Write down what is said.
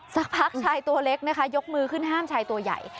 สักพักชายตัวเล็กนะคะยกมือขึ้นห้ามชายตัวใหญ่